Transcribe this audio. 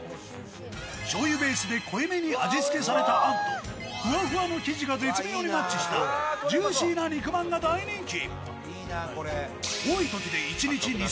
しょうゆベースで濃いめに味付けされたあんと、ふわふわの生地が絶妙にマッチしたジューシーな肉まんが大人気。